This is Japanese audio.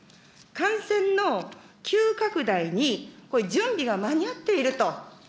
感染の急拡大にこれ、準備が間に合っていると。